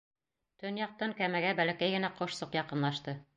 Төньяҡтан кәмәгә бәләкәй генә ҡошсоҡ яҡынлашты.